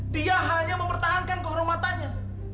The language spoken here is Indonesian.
dia hanya mempertahankan kehormatannya